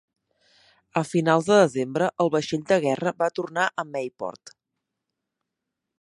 A finals de desembre, el vaixell de guerra va tornar a Mayport.